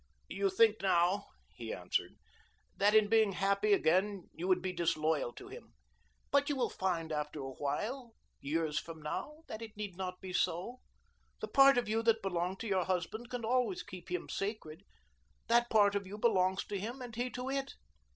"You think now," he answered, "that in being happy again you would be disloyal to him. But you will find after a while years from now that it need not be so. The part of you that belonged to your husband can always keep him sacred, that part of you belongs to him and he to it.